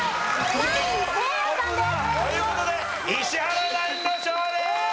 ３位せいやさんです！という事で石原ナインの勝利！